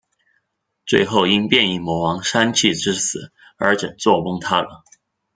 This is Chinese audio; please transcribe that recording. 最后因变异魔王膻气之死而整座崩塌了。